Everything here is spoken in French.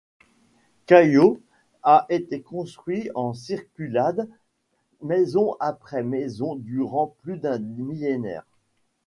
Cailhau a été construit en circulade, maison après maison durant plus d'un millénaire.